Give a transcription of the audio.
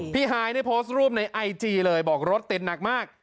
ฮายได้โพสต์รูปในไอจีเลยบอกรถติดหนักมาก